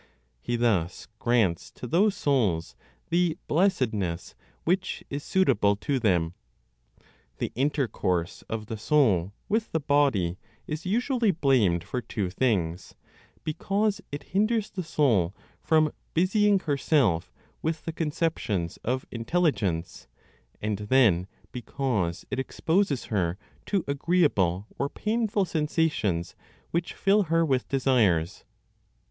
He thus grants to those souls the blessedness which is suitable to them. The intercourse of the soul with the body is usually blamed for two things: because it hinders the soul from busying herself with the conceptions of intelligence, and then because it exposes her to agreeable or painful sensations which fill her with desires.